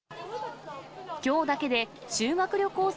きょうだけで修学旅行生